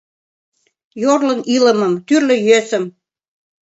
Йорлын илымым, тӱрлӧ йӧсым